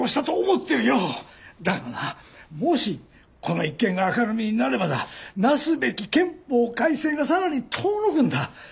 だがなもしこの一件が明るみになればだなすべき憲法改正がさらに遠のくんだ。